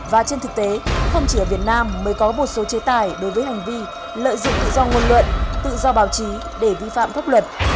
và trên thực tế không chỉ ở việt nam mới có một số chế tài đối với hành vi lợi dụng tự do ngôn luận tự do báo chí để vi phạm pháp luật